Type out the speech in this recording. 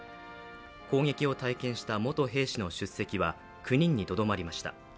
攻撃を体験した元兵士の出席は９人にとどまりました。